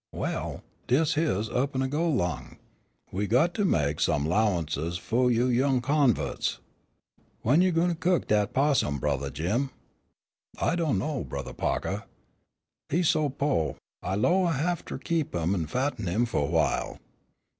"Well, des' heish up an' go 'long. We got to mek some 'lowances fu' you young convu'ts. Wen you gwine cook dat 'possum, Brothah Jim?" "I do' know, Brothah Pahkah. He so po', I 'low I haveter keep him and fatten him fu' awhile."